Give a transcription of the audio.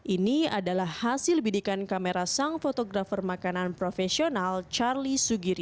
ini adalah hasil bidikan kamera sang fotografer makanan profesional charlie sugiri